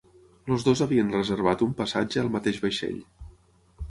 Els dos havien reservat un passatge al mateix vaixell.